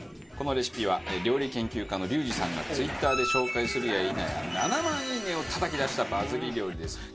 このレシピは料理研究家のリュウジさんがＴｗｉｔｔｅｒで紹介するや否や７万いいね！をたたき出したバズり料理です。